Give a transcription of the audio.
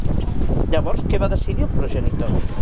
Llavors, què va decidir el progenitor?